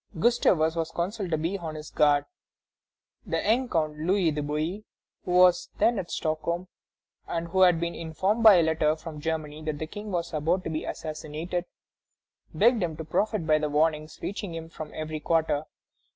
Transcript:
Gustavus was counselled to be on his guard. The young Count Louis de Bouillé, who was then at Stockholm, and who had been informed by a letter from Germany that the King was about to be assassinated, begged him to profit by the warnings reaching him from every quarter.